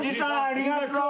ありがとう。